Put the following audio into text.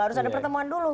harus ada pertemuan dulu